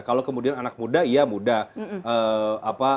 kalau kemudian anak muda iya muda